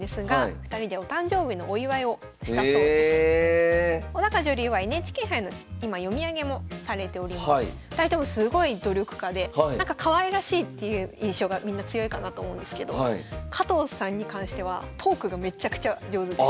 ２人ともすごい努力家でなんかかわいらしいっていう印象がみんな強いかなと思うんですけど加藤さんに関してはトークがめっちゃくちゃ上手です。